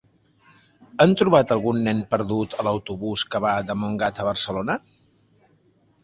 Han trobat algun nen perdut a l'autobús que va de Montgat a Barcelona?